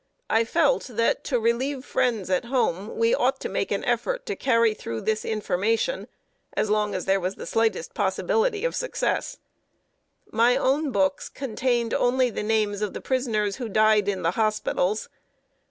I felt that, to relieve friends at home, we ought to make an effort to carry through this information, as long as there was the slightest possibility of success. [Sidenote: EFFECTS OF HUNGER AND COLD.] My own books only contained the names of prisoners who died in the hospitals.